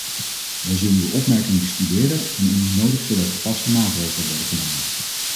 Wij zullen uw opmerking bestuderen en indien nodig zullen er gepaste maatregelen worden genomen.